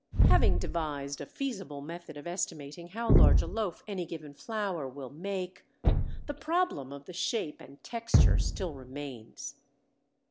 Having devised a feasible method of estimating how large a loaf any given flour will make, the problem of the shape and texture still remains.